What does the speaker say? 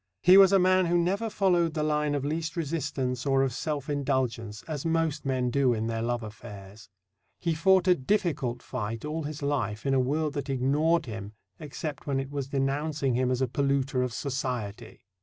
He was a man who never followed the line of least resistance or of self indulgence, as most men do in their love affairs. He fought a difficult fight all his life in a world that ignored him, except when it was denouncing him as a polluter of Society.